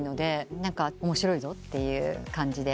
面白いぞっていう感じで。